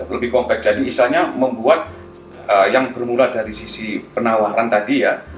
lebih kompak jadi istilahnya membuat yang bermula dari sisi penawaran tadi ya